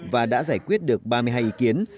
và đã giải quyết được ba mươi hai ý kiến